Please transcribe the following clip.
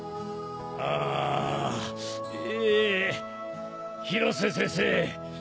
あえ広瀬先生。